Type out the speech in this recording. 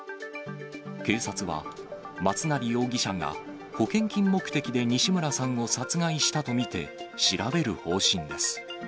警察は、松成容疑者が保険金目的で西村さんを殺害したと見て、調べる方針です。